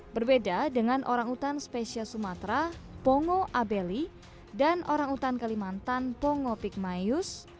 berbeda dengan orangutan spesial sumatera pongo abeli dan orangutan kalimantan pongo pigmayus